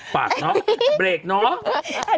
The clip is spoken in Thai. ฝากเนอะเบรกเนาะ